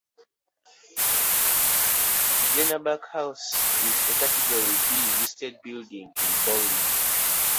Glenarbuck House is a Category B listed building in Bowling.